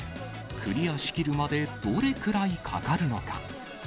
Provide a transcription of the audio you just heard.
クリアしきるまでどれぐらいかかるのか。